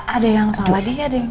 ada yang salah dia deh